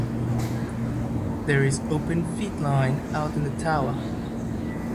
There is open feed line out to the tower.